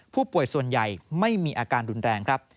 ผู้ป่วยส่วนใหญ่ไม่มีอาการรุนแรงครับ